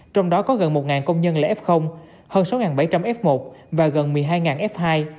trong đó có gần một công nhân là f hơn sáu bảy trăm linh f một và gần một mươi hai f hai